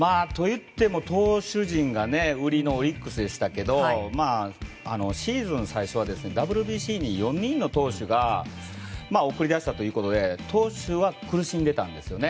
投手陣が売りのオリックスでしたけどシーズン最初はＷＢＣに４人の投手を送り出したということで投手は苦しんでたんですよね。